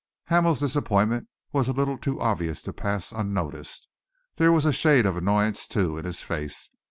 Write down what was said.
Hamel's disappointment was a little too obvious to pass unnoticed. There was a shade of annoyance, too, in his face.